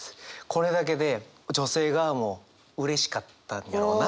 これだけで女性がもううれしかったんやろうな。